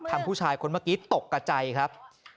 ผู้ชายคนเมื่อกี้ตกกระใจครับ